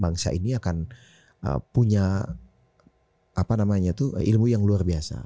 bangsa ini akan punya apa namanya itu ilmu yang luar biasa